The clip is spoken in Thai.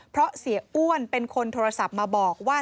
เพราะเสียอ้วนเป็นคนโทรศัพท์มาบอกว่า